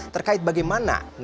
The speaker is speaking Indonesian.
terkait bagaimana nasib kib ke depan